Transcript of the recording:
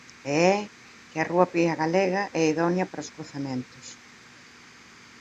E é que a rubia galega é idónea para os cruzamentos.